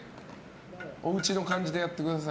おうちの感じでやってください。